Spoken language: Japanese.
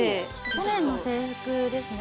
去年の制服ですね。